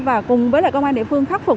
và cùng với công an địa phương khắc phục